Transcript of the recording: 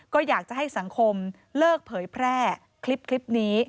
ก็อยากจะให้สังคมเลิกเผยแพร่คลิปนี้